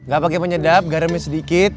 gapake ponnyedap garamnya sedikit